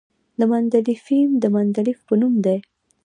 د مندلیفیم د مندلیف په نوم دی.